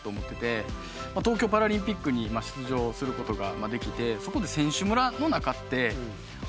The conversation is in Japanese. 東京パラリンピックに出場することができて。